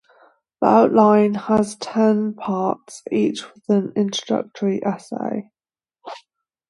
The "Outline" has ten Parts, each with an introductory essay.